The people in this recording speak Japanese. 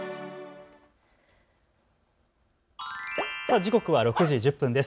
時刻は６時１０分です。